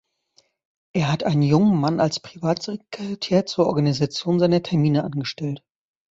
Er hat einen jungen Mann als Privatsekretär zur Organisation seiner Termine angestellt.